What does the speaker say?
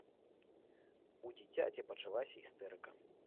У дзіцяці пачалася істэрыка.